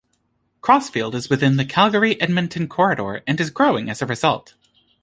Crossfield is within the Calgary-Edmonton Corridor and is growing as a result.